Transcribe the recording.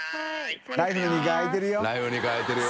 ライフの２階あいてるよ」